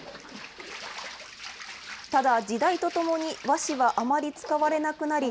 ただ、時代とともに和紙はあまり使われなくなり、